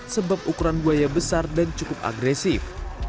sebab ukuran buaya besar dan cukup agresif